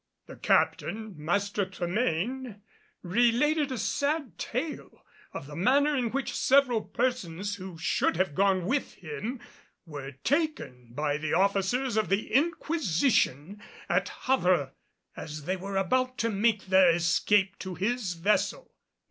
The Captain, Master Tremayne, related a sad tale of the manner in which several persons who should have gone with him were taken by the officers of the Inquisition at Havre, as they were about to make their escape to his vessel.